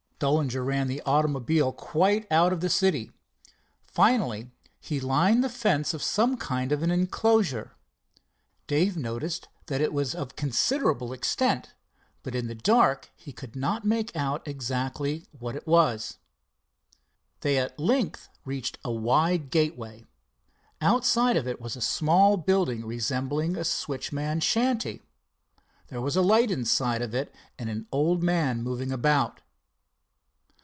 Dollinger ran the automobile quite out of the city. Finally he lined the fence of some kind of an enclosure. Dave noticed that it was of considerable extent, but in the dark, he could not make out exactly what it was. They at length reached a wide gateway. Outside of it was a small building resembling a switchman's shanty. There was a light inside of it and an old man moving about.